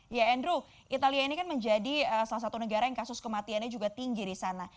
ya andrew italia ini kan menjadi salah satu negara yang kasus kematiannya juga tinggi di sana